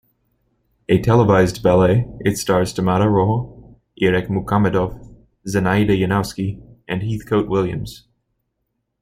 A televised ballet, it starsTamara Rojo, Irek Mukhamedov, Zenaida Yanowsky, and Heathcote Williams.